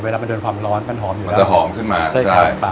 เวลามันเดินความร้อนมันหอมอยู่แล้วมันจะหอมขึ้นมาใช่ครับ